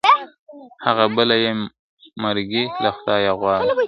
هغه بله یې مرګی له خدایه غواړي !.